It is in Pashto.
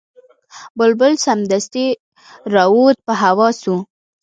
بلبل سمدستي را ووت په هوا سو